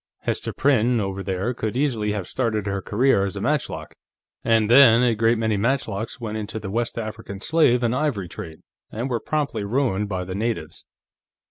Hester Prynne, over there, could easily have started her career as a matchlock. And then, a great many matchlocks went into the West African slave and ivory trade, and were promptly ruined by the natives."